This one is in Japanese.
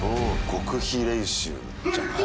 極秘練習じゃない？